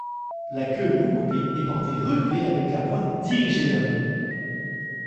La queue non-coupée est portée relevée avec la pointe dirigée vers le dos.